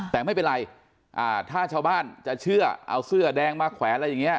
แต่ไม่เป็นไรถ้าชาวบ้านจะเชื่อเอาเสื้อแดงมาแขวนอะไรอย่างนี้